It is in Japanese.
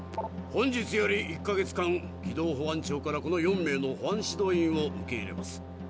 本日より１か月間軌道保安庁からこの４名の保安指導員を受け入れます。